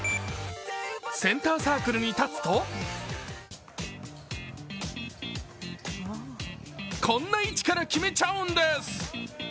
センターサークルに立つとこんな位置から決めちゃうんです。